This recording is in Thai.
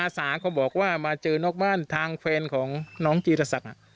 สาเขาบอกว่ามาเจอนอกบ้านทางแฟนของน้องจีรศักดิ์